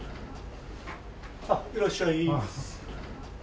あっいらっしゃい。